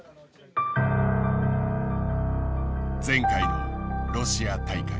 前回のロシア大会。